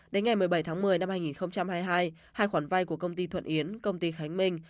đến ngày một mươi bảy tháng một mươi năm hai nghìn hai mươi hai hai khoản vay của công ty thuận yến công ty khánh minh